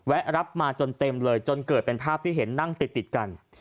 รับมาจนเต็มเลยจนเกิดเป็นภาพที่เห็นนั่งติดกัน